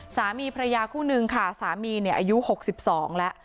สามีพระยาคู่นึงค่ะสามีเนี่ยอายุ๖๒แล้ว